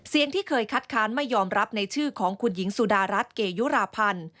ที่เคยคัดค้านไม่ยอมรับในชื่อของคุณหญิงสุดารัฐเกยุราพันธ์